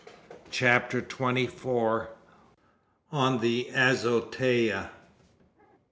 CHAPTER TWENTY FOUR. ON THE AZOTEA.